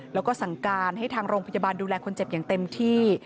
แล้วก็สั่งการให้ทางโรงพยาบาลดูแลคนเจ็บอย่างเต็มที่